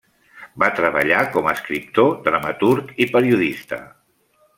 Va treballar com a escriptor, dramaturg i periodista.